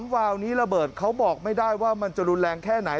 วาวนี้ระเบิดเขาบอกไม่ได้ว่ามันจะรุนแรงแค่ไหน